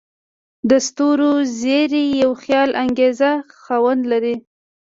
د ستورو زیرۍ یو خیالانګیز خوند لري.